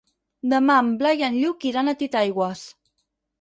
Demà en Blai i en Lluc iran a Titaigües.